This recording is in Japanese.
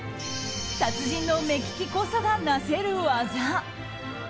達人の目利きこそがなせる技。